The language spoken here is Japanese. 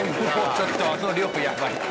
ちょっとその量やばいって。